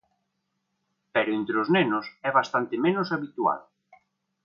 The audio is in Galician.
Pero entre os nenos é bastante menos habitual.